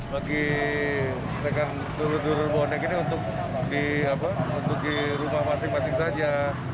bagi mereka turut turut bonek ini untuk di rumah masing masing saja